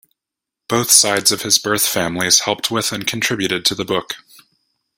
Both sides of his birth families helped with and contributed to the book.